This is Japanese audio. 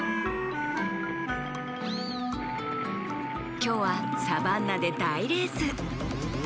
きょうはサバンナでだいレース！